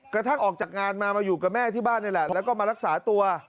กระทั่งออกจากงานมามาอยู่กับแม่ที่บ้านนี่แหละแล้วก็มารักษาตัว